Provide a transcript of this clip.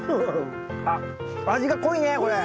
あっ味が濃いねこれ。